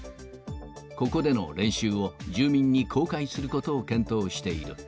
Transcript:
ここでの練習を、住民に公開することを検討している。